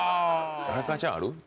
荒川ちゃんある？